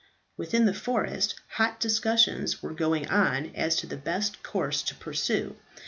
Within the forest hot discussions were going on as to the best course to pursue.